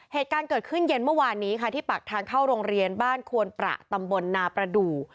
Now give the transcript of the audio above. เหตุการณ์เกิดขึ้นเย็นเมื่อวานนี้ค่ะที่ปากทางเข้าโรงเรียนบ้านควนประตำบลนาประดูก